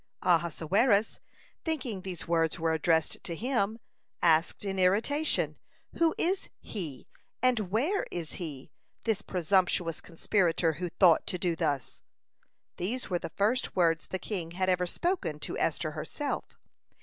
(177) Ahasuerus, thinking these words were addressed to him, asked in irritation: "Who is he, and where is he, this presumptuous conspirator, who thought to do thus?" These were the first words the king had ever spoken to Esther herself.